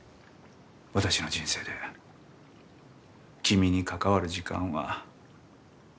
私の人生で君に関わる時間は終わった。